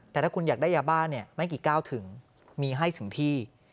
แต่ถ้าคุณอยากได้ยาบ้าไม่กี่ก้าวถึงมีให้ถึงที่